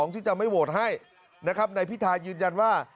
ที่จะไม่โหวตให้นะครับนายพิธายืนยันว่า